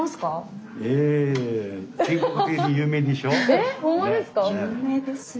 えほんまですか？